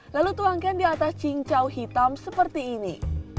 lalu tuangkan di atas cincau hitam seperti ini